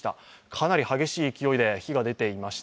かなり激しい勢いで火が出ていました。